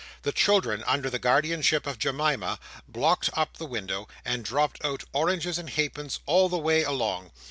The children, under the guardianship of Jemima, blocked up the window, and dropped out oranges and halfpence all the way along.